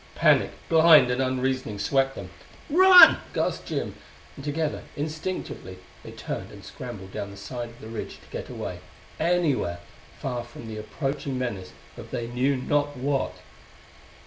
Panic, blind and unreasoning, swept them. "Run!" gasped Jim; and together, instinctively, they turned and scrambled down the side of the ridge to get away, anywhere, far from the approaching menace of they knew not what.